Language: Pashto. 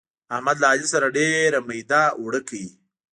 احمد له علي سره ډېر ميده اوړه کوي.